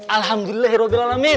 alhamdulillah ya roh gelalamin